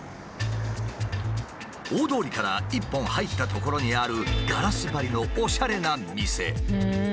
大通りから一本入った所にあるガラス張りのおしゃれな店。